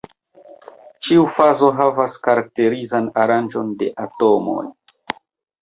Ĉiu fazo havas karakterizan aranĝon de atomoj.